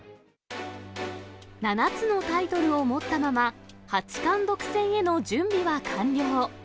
７つのタイトルを持ったまま、八冠独占への準備は完了。